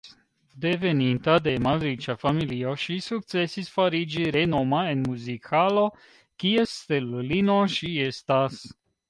Deveninta de malriĉa familio, ŝi sukcesis fariĝi renoma en muzik-halo, kies stelulino ŝi estas.